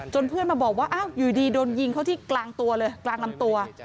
เพื่อนมาบอกว่าอ้าวอยู่ดีโดนยิงเขาที่กลางตัวเลยกลางลำตัว